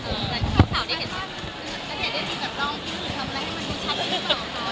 ตัวเนี่ยเล่นดีกับน้องทำอะไรให้มันดูชัดดีกว่า